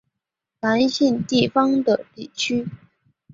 南信地方的地区。